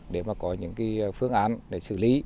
để mà có những phương án để xử lý